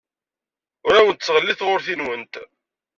Ur awent-ttɣelliteɣ urti-nwent.